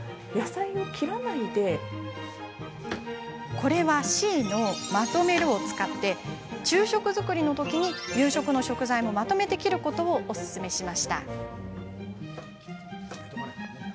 これは、Ｃ＝まとめるを使って昼食作りのときに夕食の食材もまとめて切ることをおすすめしました。